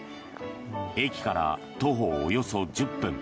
駅から徒歩およそ１０分。